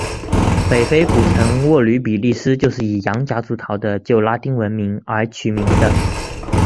北非古城沃吕比利斯就是以洋夹竹桃的旧拉丁文名而取名的。